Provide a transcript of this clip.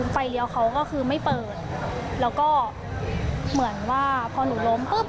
เลี้ยวเขาก็คือไม่เปิดแล้วก็เหมือนว่าพอหนูล้มปุ๊บ